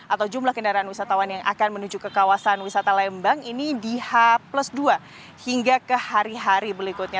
atau jumlah kendaraan wisatawan yang akan menuju ke kawasan wisata lembang ini di h plus dua hingga ke hari hari berikutnya